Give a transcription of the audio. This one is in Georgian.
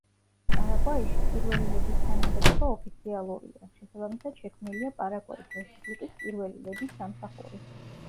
პარაგვაიში, პირველი ლედის თანამდებობა ოფიციალურია, შესაბამისად, შექმნილია პარაგვაის რესპუბლიკის პირველი ლედის სამსახური.